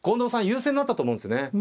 優勢になったと思うんですよね。